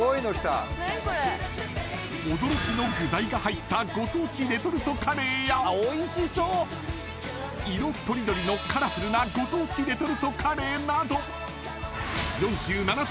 ［が入ったご当地レトルトカレーや色とりどりのカラフルなご当地レトルトカレーなど］